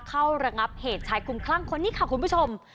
ระงับเหตุชายคุ้มคลั่งคนนี้ค่ะคุณผู้ชม